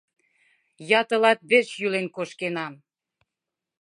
Я тылат верч йӱлен кошкенам.